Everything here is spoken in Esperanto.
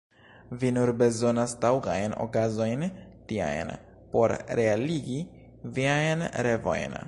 Vi nur bezonas taŭgajn okazojn tiajn, por realigi viajn revojn.